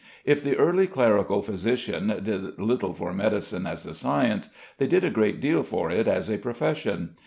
If the early clerical physicians did little for medicine as a science, they did a great deal for it as a profession.